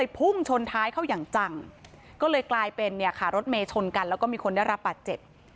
พุ่งชนท้ายเขาอย่างจังกลายเป็นรถเมชนกันแล้วมีคนได้รับปัดเจ็บ